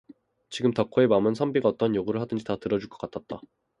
지금 덕 호의 맘은 선비가 어떠한 요구를 하든지 다 들어 줄 것 같았다.